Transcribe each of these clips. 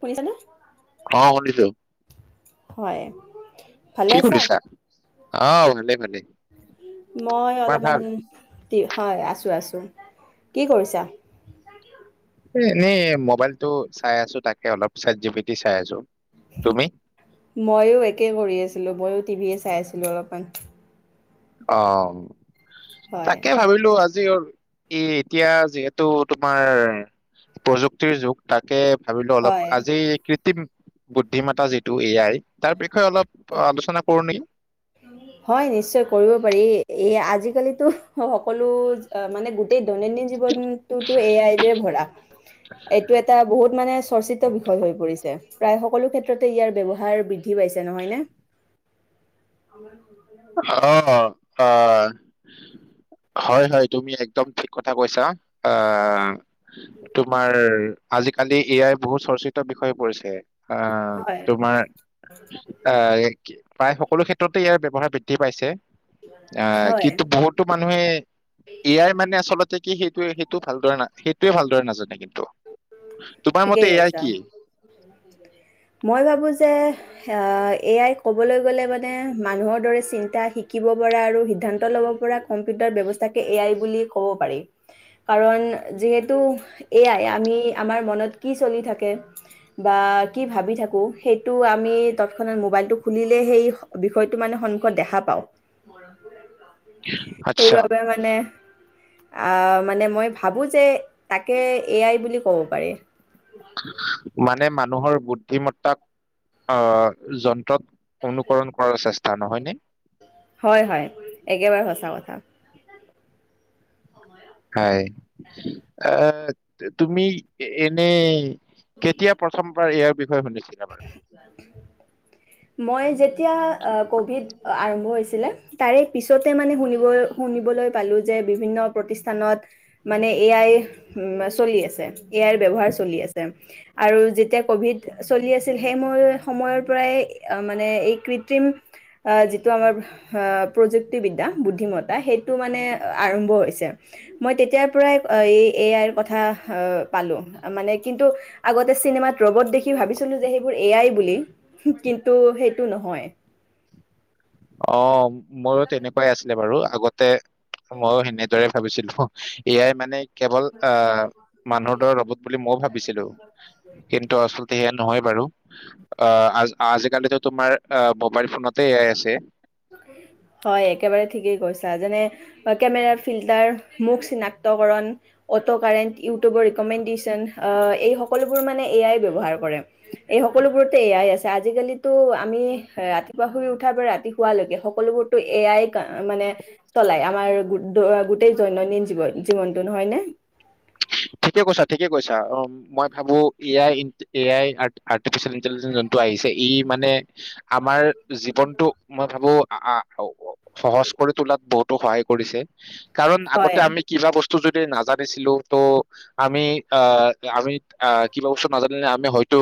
শুনিছা নে? অ শুনিছোঁ। হয়, ভালে কি আছা? কৰিছা? অঁ ভালেই ভালেই। মই অলপমান হয় আছো আছো। কি কৰিছা? এ এনেই মোবাইলটো চাই আছো তাকে অলপ ছেট জি পিটি চাই আছো তুমি মইয়ো একে কৰি আছিলো মইয়ো টিভি চাই আছিলো অলপমান। অ হয়, তাকে ভাবিলো আ জি এ এতিয়া যিহেতু তোমাৰ প্ৰযুক্তিৰ যুগ তাকে ভাবিলো অলপ হয়, আজি কৃত্ৰিম বুদ্ধিমতা যিটো এ আই তাৰ বিষয়ে অলপ আলোচনা কৰো নেকি হয় নিশ্চয় কৰিব পাৰি এ আজিকালিতো সকলো অ', মানে গোটেই দৈনন্দিন জীৱনটোতো এ আইৰে ভৰা। এইটো এটা বহুত মানে চৰ্চি ত হৈ পৰিছে। প্ৰায় সকলো ক্ষেত্ৰতে ইয়াৰ ব্যৱহাৰ বৃদ্ধি পাইছে, নহয়নে? [inaudible] অ অ, হয় হয়, তুমি একদম ঠিক কথা কৈছা, আহ তোমাৰ আজিকালি এ আই বহুত চৰ্চিত বিষয় পৰিছে। আ, হয়, তোমাৰ আহ, প্ৰায় সকলো ক্ষেত্ৰতে ইয়াৰ ব্যৱহাৰ বৃ দ্ধি পাইছে, আহ, হয়, কিন্তু বহুতো মানুহে এ আই, মানে আচলতে কি সেইটোৱে সেইটো ভালদৰে নাজানে কিন্তু তোমাৰ ঠিকেই মতে এ আই কৈছা। কি? মই ভাবোঁ যে, এ আই ক'বলৈ গ'লে মানে মানুহৰ দৰে চিন্তা শিকিব পৰা আৰু সিদ্ধান্ত ল'ব পৰা কম্পিউটাৰ ব্যৱস্থাকে এ আই বুলি ক'ব পাৰি। কাৰণ যিহেতু এয়াই আমি আমাৰ মনত কি চলি থাকে। বা কি ভাবি থাকোঁ সেইটো আমি তৎক্ষণাত মোবাইলটো খুলিলে সেই বিষয়টো মানে সন্মুখত দেখা পাওঁ। আচ্ছা। মানে, আ মানে, মই ভাবোঁ যে তাকে এ আই বুলি ক'ব পাৰি। মানে মানুহৰ বুদ্ধিমত্তাক আহ, যন্ত্ৰত অনুকৰণ কৰাৰ চেষ্টা নহয়নে? হয়, হয় একেবাৰে সঁচা কথা। হয়, আহ, তুমি এনে কেতিয়া পৰা, প্ৰথমবাৰ ইয়াৰ বিষয়ে শুনিছিলো মই। মই যেতিয়া ক'ভিড আৰম্ভ হৈছিলে। তাৰে পিছতে, মানে, শুনিবই শুনিবলৈ পালোঁ যে বিভিন্ন প্ৰতিষ্ঠানত। মানে এ আই চলি আছে, এ আইৰ ব্যৱহাৰ চলি আছে। আৰু যেতিয়া কভিড চলি আছিল, সেই সময় সময়ৰ পৰাই মানে এই কৃত্ৰিম আহ যিটো আমাৰ, আহ, প্ৰযুক্তিবিদ্যা, বুদ্ধিমত্তা সেইটো মানে আৰম্ভ হৈছে। মই তেতিয়াৰ পৰাই এই এ আইৰ কথা পালোঁ। মানে কিন্তু, আগতে চিনেমাত ৰবত দেখি ভাবিছিলোঁ যে সেইবোৰ এ আই বুলি, কিন্তু সেইটো নহয়। অ', ময়ো তেনেকুৱাই আছিলোঁ। বাৰু, আগতে ময়ো সেনেদৰে ভাবিছিলোঁ, এ আই মানে। কেৱল আহ, মানুহৰ দৰে ৰ'বত বুলি মইও ভাবিছিলোঁ, কিন্তু আচলতে সেয়া নহয় বাৰু। অ', আ, আজিকালিতো তোমাৰ মোবাইল ফোনতে এ আই আছে। [inaudible] হয়, একেবাৰে ঠিকেই কৈছা যেনে কেমেৰাৰ ফিল্টাৰ, মুখ চিনাক্তকৰণ। অট'কাৰেণ্ট, ইউটিউবৰ ৰিকমেণ্ডেশচন, এই সকলোবোৰ মানে এ আই ব্যৱহাৰ কৰে। এই সকলোবোৰতে এ আই আছে। আজিকালিতো আমি ৰাতিপুৱা শুই উঠাৰ পৰা ৰাতি, পোৱালৈকে সকলোবোৰতো এয়াই কা মানে, চলাই আমাৰ গোটেই দৈনন্দিন জীৱন জীৱনটো নহয়নে? ঠিকে কৈছা, ঠিকে কৈছা, অ', মই ভাবোঁ A I ইনটে A I, artificial intelligent যোনটো আহিছে, ই মানে আমাৰ জীৱনটো মই ভাবোঁ, আ অ সহজ কৰি তোলাত বহুতো সহায় কৰিছে, কাৰণ হয় আগতে আমি কিবা বস্তু যদি নাজানিছিলো, ত' আমি আ আমি আহ, কিবা বস্তু নাজানিলে আমি হয়তো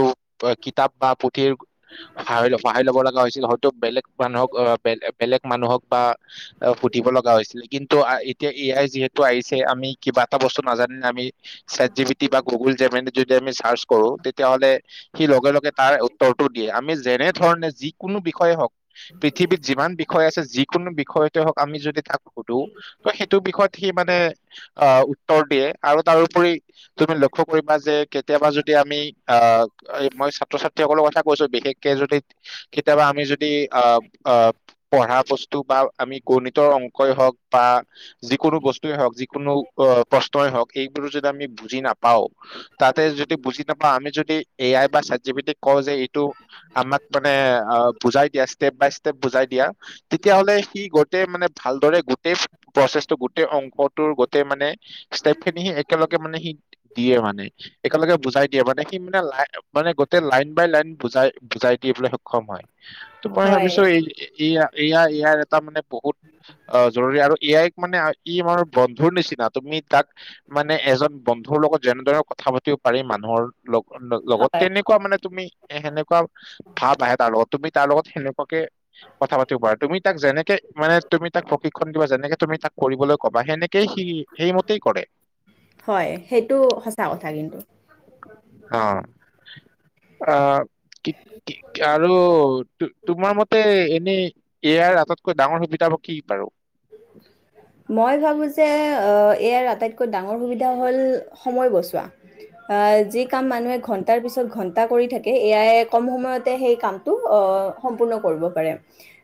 কিতাপ বা পো স সহায় ল'ব লগা হৈছিল হয়তো বেলেগ মানুহক আহেলে বেলেগ মানুহক বা, অ', সুধিব লগা হৈছিলে, কিন্তু এতিয়া এয়াই যিহেতু আহিছে, আমি কিবা এটা বস্তু নাজা, আমি, চেটজিপিটি বা গুগল জেমেনি ট যদি আমি চাৰ্চ কৰো তে, তেতিয়াাহ'লে সি লগে লগে তাৰ উত্তৰটো দিয়ে, আমি যেনে ধৰণে যিকোনো বিষয়ে হওক, পৃথিৱীত যিমান বিষয় আছে, যিকোনো বিষয়তে হওক আমি যদি তাক সুধো, ত, সেইটো বিষয়ত সি মানে আহ, উত্তৰ দিয়ে আৰু তাৰোপৰি, তুমি লক্ষ্য কৰিবা যে কেতিয়াবা যদি আমি আ, মই ছাত্ৰ ছাত্ৰীসকলৰ কথা কৈছো, বিশেষকে যদি কেতিয়াবা আমি যদি আ আ, পঢ়া বস্তু বা আমি গণিতৰ অংকই হওঁক, বা যিকোনো বস্তুৱে হওঁক যিকোনো প্ৰশ্নই হওঁক, যত আমি বুজি নাপাওঁ, তাতে, যদি বুজি নাপাওঁ, আমি যদি এ আই বা চাটজিপিটিক কওঁ যে এ, তো, আমাক মানে অ' বুজাই দিয়া ষ্টেপ বাই ষ্টেপ বুজাই দিয়া। তেতিয়াহ'লে সি গোটেই মানে ভালদৰে গোটেই প্ৰচেছটো, গোটেই অংকটোৰ গোটেই মানে ষ্টেপ খিনি একেলগে মানে সিত দিয়ে মানে, একেলগে বুজাই দিয়ে মানে সি মানে লাই মানে গোটেই লাইন বাই লাইন বুজাই বুজাই দিবলৈ সক্ষম হয়, ত মই হয় ভাবিছো এই এ এইয়া এয়া ইয়াৰ এটা মানে বহুত অ' জৰুৰী আৰু এ আইক মানে আ ই আমাৰ বন্ধুৰ নিচিনা, তুমি তাক মানে এজন বন্ধুৰ লগত যেনেদৰে কথা পাতিব পাৰি মানুহৰ লগ লগত হয় তেনেকুৱা মানে তুমি এ সেনেকুৱা ভাৱ আহে তাৰ লগত তুমি তাৰ লগত সেনেকুৱাকে কথা পাতিব পাৰা, তুমি তাক যেনেকে মানে তুমি তাক প্ৰশিক্ষণ দিবা যেনেকে তুমি তাক কৰিবলৈ ক'বা সেনে কেই সি সেইমতেই কৰে। হয়, সেইটো সঁচা কথা কিন্তু। অ', আহ কি কি আৰু তো তোমাৰ মতে এনেই এ আইৰ আটাইতকৈ ডাঙৰ সুবিধা বা কি বাৰু? মই ভাবোঁ যে আ এ আইৰ আটাইতকৈ ডাঙৰ সুবিধা হ'ল সময় বচোৱা। অ', যি কাম মানুহে ঘন্টাৰ পিছত ঘন্টা কৰি থাকে, এ আই কম সময়তে সেই কাম টো অ' সম্পূৰ্ণ কৰিব পাৰে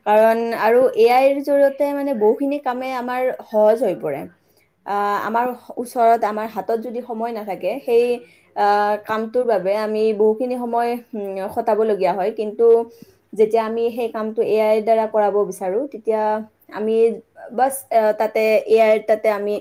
কাৰণ আৰু এ আইৰ জৰিয়তে মানে বহু খিনি কামে আমাৰ সহজ হৈ পৰে। আ আমাৰ ওচৰত, আমাৰ হাতত যদি সময় নাথাকে সেই আহ, কামটোৰ বাবে আমি বহুখিনি সময় উম খটাবলগীয়া হয় কিন্তু যেতিয়া আমি সেই কামটো এ আইৰ দ্বাৰা কৰাব বিচাৰোঁ তেতিয়া আমি আ বাছ এ তাতে এ আই তাতে আমি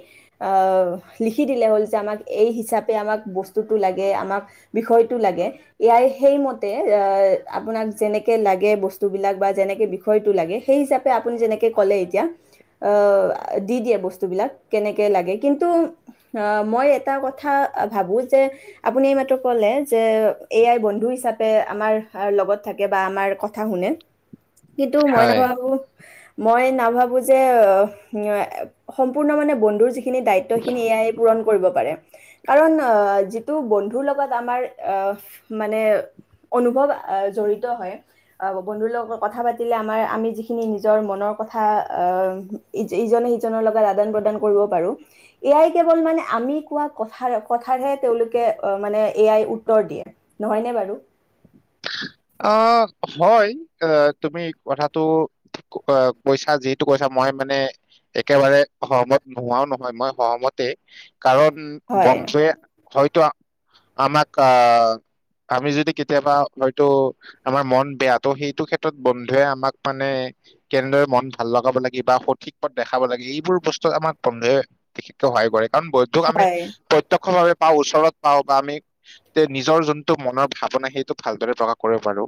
আহ, লিখি দিলে হ'ল যে আমাক এই হিচাপে আমাক বস্তুটো লাগে, আমাক বিষয়টো লাগে। এ আই সেইমতে, আহ আপোনাক যেনেকে লাগে বস্তুবিলাক বা যেনেকে বিষ ষয়টো লাগে সেই হিচাপে আপুনি যেনেকৈ ক'লে এতিয়া আহ, দি দিয়ে বস্তুবিলাক, কেনেকে লাগে কিন্তু হা মই এটা কথা ভাবোঁ যে আপুনি এইমাত্ৰ ক'লে যে এ আই বন্ধু হিচাপে আমাৰ হাৰ লগত থাকে বা আমাৰ কথা শুনে [inaudible] কিন্তু মই হয় নাভাবো, মই নাভাবো যে অম এ সম্পূৰ্ণ মানে বন্ধুৰ যি খিনি দায়িত্বখিনি এ আই পূৰণ কৰিব পাৰে। কাৰণ আহ যিটো বন্ধুৰ লগত আমাৰ আহফ মানে অনুভৱ আহ জড়িত হয় আব বন্ধুৰ লগত কথা পাতিলে, আমাৰ আমি যিখিনি নিজৰ মনৰ কথা আহ ইজ ইজনে সিজনৰ লগত আদান - প্ৰদান কৰিব পাৰো। এ আই কেৱল মানে আমি কোৱা কথাৰ কথাৰহে তেওঁলোকে অ মানে এ আই উত্তৰ দিয়ে। নহয়নে বাৰু? অ হয় আ তুমি কথাটো ক অ পইচা যিহেতু কৈছা মই মানে একেবাৰে সহমত নোহোৱাও নহয়, মই সহমতেই কাৰণ হয় বন্ধুৱে হয়তো আমাক আহ আমি যদি কেতিয়াবা হয়তো আমাৰ মন বেয়াটো সেইটো ক্ষেত্ৰত বন্ধুৱে আমাক মানে কেনেদৰে মন ভাল লগাব লাগে বা সঠিক পথ দেখাব লাগে এইবোৰ বস্তুত আমাক বন্ধুৱে বিশেষকৈ সহায় কৰে, কাৰণ বৌদ্ধক আমি হয় প্ৰত্যক্ষভাৱে পাওঁ ওচৰত পাওঁ বা আমি তে নিজৰ যোনটো মনৰ ভাৱনা সেইটো ভালদৰে প্ৰকাশ কৰিব পাৰো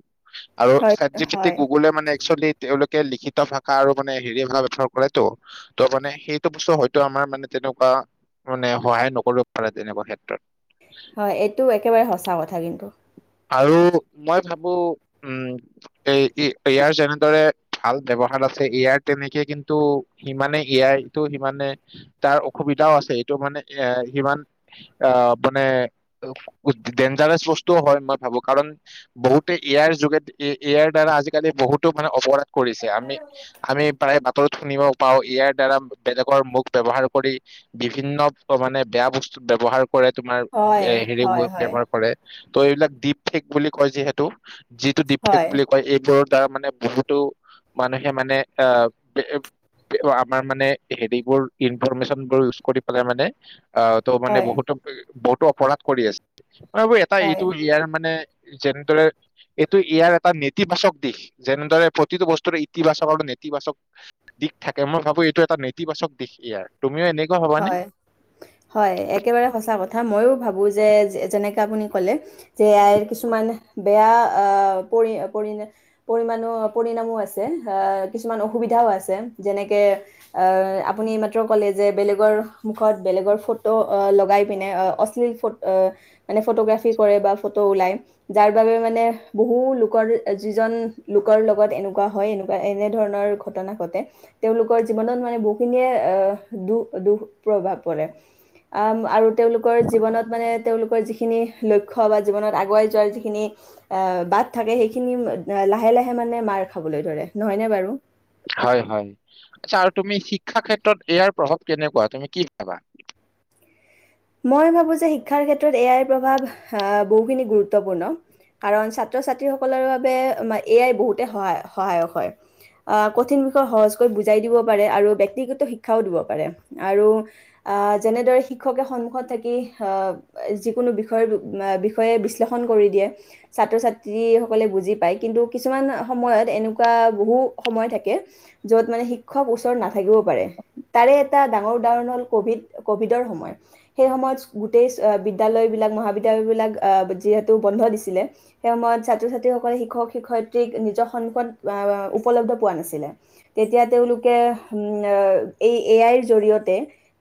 আৰু হয় চেট জি পি টি হয় গুগলে মানে একচুৱেলী তেওঁলোকে লিখিত ভাষা আৰু মানে হেৰি ভাষা ব্যৱহাৰ কৰে তো ত মানে সেইটো বস্তু হয়তো আমাৰ মানে তেনেকুৱা মানে সহায় নকৰিব পাৰে তেনেকুৱা ক্ষেত্ৰত। হয় এইটো একেবাৰে সঁচা কথা কিন্তু। আৰু মই ভাবো উম এই ই ইয়াৰ যেনেদৰে ভাল ব্যৱহাৰ আছে ইয়াৰ তেনেকে কিন্তু সিমানে এয়াই এইটো সিমানে তাৰ অসুবিধাও আছে, এইটো মানে এ সিমান আ মানে উ ডেঞ্জাৰাছ বস্তুও হয় ম ভাবো কাৰণ বহুতে এয়াৰ যোগে এ য়াৰ দ্বাৰা আজিকালি বহুতো মানে অপৰাধ কৰিছে আমি আমি প্ৰায় বা ত শুনিব পাওঁ, ইয়াৰ দ্বাৰা বেলেগৰ মুখ ব্যৱহাৰ কৰি বিভিন্ন মানে বেয়া বস্তুত ব্যৱহাৰ কৰে তোমাৰ হয়, হেৰি হয়, বোৰ হয়, বেমাৰ কৰে ত এইবিলাক দিপ ফিক বুলি কয় যিহেতু। যিটো ডিফেক্ট হয়, বুলি কয় এইবোৰত তাৰ মানে বহুতো মানুহে মানে আহ [inaudible] আমাৰ মানে হেৰিবোৰ ইনফৰমেশচন বোৰ ইউজ কৰি পেলাই মানে আ ত মানে হয়, বহুতো বহুতো অপৰাধ কৰি আছে, মানে এটা হয়, এইটো ইয়াৰ মানে জেন্দেৰেত এইটো ইয়াৰ এটা নেতিবাচক দিশ, জেণ্ডাৰে প্ৰতিটো বস্তুৰে ইতিবাচক আৰু নেতিবাচক দিশ থাকে, মই ভাবো এইটো এটা নেতিবাচক দিশ ইয়াৰ, তুমিও এনেকুৱা ভাবানে? হয়। হয় একেবাৰে সঁচা কথা, মইও ভাবো যে যেনেকে আপুনি ক'লে যে এই আ ৰ কিছুমান বেয়া আ আহ পৰি পৰিলে পৰিমাণো পৰিণামো আছে আ কিছুমান অসুবিধাও আছে যেনেকে আ আপুনি এই মাত্ৰ ক'লে যে বেলেগ গৰ মুখত বেলেগৰ ফটো লগাই পিনে অশ্লীল ফো আ মানে ফটোগ্ৰাফী কৰে বা ফটো ওলাই যাৰ বাবে মানে বহু লোকৰ যিজন লোকৰ লগত এনেকুৱা হয় এনেকুৱা এনে ধৰণৰ ঘ টনা ঘটে, তেওঁলোকৰ জীৱনত মানে বহুখিনিয়ে দু দুখ প্ৰভাৱ পৰে আ আৰু তেওঁলোকৰ জীৱনত মানে তেওঁলোকৰ যিখিনি লক্ষ্য বা জীৱনত আগুৱাই যোৱাৰ যিখিনি আহ বাট থাকে সেইখিনি লাহে লাহে মানে মাৰ খাবলৈ ধৰে, নহয়নে বাৰু? হয় হয়, আচ্ছা আৰু তুমি শিক্ষা ক্ষেত্ৰত ইয়াৰ প্ৰভাৱ কেনেকুৱা তুমি কি ভাবা? মই ভাবো যে শিক্ষাৰ ক্ষেত্ৰত এ আৰ প্ৰভাৱ বহুখিনি গুৰুত্বপূৰ্ণ। কাৰণ ছাত্ৰ ছাত্ৰীসকলৰ বাবে এ আই বহুতে সহায় সহায়ক হয়। আহ কঠিন বিষয়ে সহজকৈ বুজাই দিব পাৰে আৰু ব্যক্তিগত শিক্ষাও দিব পাৰে আৰু আহ যেনেদৰে শিক্ষকে স খত থাকি যিকোনো বিষয় বিষয়ে বিশ্লেষণ কৰি দিয়ে। ছাত্ৰ ছাত্ৰীসকলে বুজি পায় কিন্তু কিছুমান সময়ত এনেকুৱা বহু সময় থাকে যত মানে শিক্ষক ওচৰত নাথাকিবও পাৰে। তাৰে এটা ডাঙৰ উদাহৰণ হ'ল কভিড কভিডৰ সময় সেই সময়ত গোটেই বিদ্যালয় বিলাক মহাবিদ্যালয় বিলাক যিহেতু বন্ধ দিছিলে সেই সময়ত ছাত্ৰ ছাত্ৰীসকলে শিক্ষক শিক্ষয়িত্ৰীক নিজৰ সন্মুখত আহ উপলব্ধ পোৱা নাছিলে তেতিয়া তেওঁলোকে হুম আ এই এ আইৰ জৰিয়তে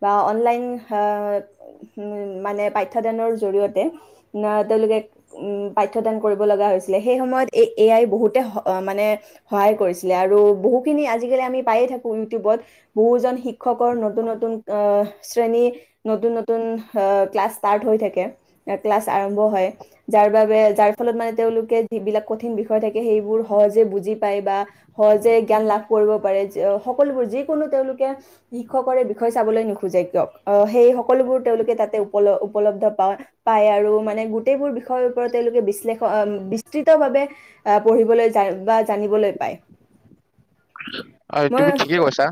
বা অনলাইন হা মানে পাঠ্যদানৰ জৰিয়তে না তেওঁলোকে উম পাঠ্যদান কৰিব লগা হৈছিলে সেই সময়ত এ এ আই বহুতে মানে সহায় কৰিছিলে আৰু বহুখিনি আজিকালি আমি পায়ে থাকো ইউটিউবত বহুজন শিক্ষকৰ নতুন নতুন আহ শ্ৰেণী নতুন ন নতুন ক্লাছ ষ্টাৰ্ট হৈ থাকে ক্লাছ আৰম্ভ হয় যাৰ বাবে যাৰ ফলত মানে তেওঁলোকে যিবিলাক কঠিন বিষয় থাকে সেইবোৰ সহজে বুজি পায় বা সহজে জ্ঞান লাভ কৰিব পাৰে সকলোবোৰ যিকোনো তেওঁলোকে শিক্ষকৰে বিষয়ে চাবলৈ নোখোজে কিয়ক আহ সেই সকলোবোৰ তেওঁলোকে তাতে উপ উপলব্ধ পায় পায় আৰু মানে গোটেইবোৰ বিষয়ৰ ওপৰত তেওঁলোকে বিশ্লেষণ বিস্তৃতভাৱে আহ পঢ়িবলৈ যায় বা জানিবলৈ পায় হয় মই তুমি ঠিকেই কৈছা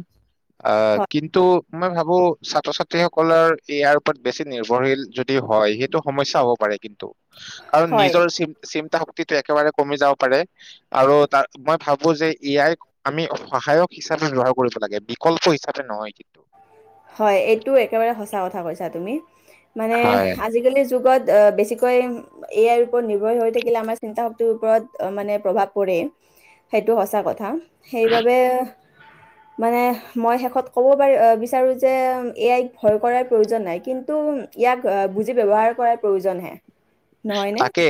আহ কিন্তু মই ভাবো ছাত্ৰ ছাত্ৰীসকলৰ ইয়াৰ ওপৰত বেছি নিৰ্ভৰশীল য দি হয় সেইটো সমসা হ'ব পাৰে কিন্তু কাৰণ হয় নিজৰ চিন্তা শক্ তি একেবাৰে কমি যাব পাৰে আৰু তাৰ মই ভাবো যে এ আইক আমি সহায়ক হিচাপে ব্যৱহাৰ কৰিব লাগে বিকল্প হিচাপে নহয় কিন্তু হয় এইটো একেবাৰে সচা কথা কৈছা তুমি মানে হয় আজিকালি যুগত বেছি কৈ এ আইৰ ওপৰত নিৰ্ভৰ হৈ থাকিলে আমাৰ চিন্তাশক্ টো ওপৰত মানে প্ৰভাৱ পৰে সেইটো সঁচা কথা সেইবাবে মানে মই শেষত ক'ব পাৰি বিচাৰোঁ যে এ আইক ভয় কৰাৰ প্ৰয়োজন নাই কিন্তু ইয়াক বুজি ব্যৱহাৰ কৰাৰ প্ৰয়োজন হে তাকে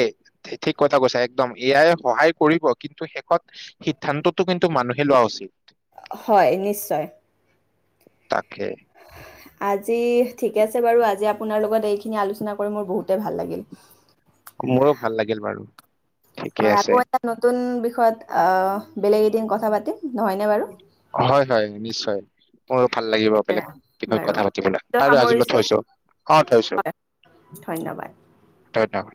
ঠিক কথা কৈছা একদম এ আই সহায় কৰিব কিন্তু শেষত সিদ্ধান্তটো কিন্তু মানুহে লোৱা উচিত হয় নিশ্চয় তাকে আজি ঠিকে আছে বাৰু আজি আপোনাৰ লগত এইখিনি আলোচনা কৰি মোৰ বহুতে ভাল লাগিল মোৰো ভাল লাগিল বাৰু ঠিকে হয় আকৌ আছে এটা নতুন বিষয়ত আহ বেলেগ এদিন কথা পাতিম নহয়নে বাৰু হয় হয় নিশ্চয় মোৰো ভাল লাগিব এতিয়া বেলেগ বিষয়ত বাৰু কথা পাতিবলে আজিলৈ বাৰু আজিলৈ সামৰিছো থৈছো অ থৈছো ধন্যবাদ ধন্যবাদ